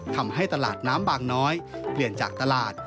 ทำให้ตลาดน้ำบางน้อยเปลี่ยนจากตลาด